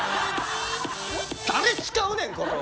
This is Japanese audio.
誰使うねんこれ！